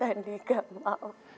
andi gak mau